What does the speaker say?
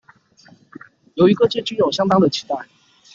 由於各界均有相當的期待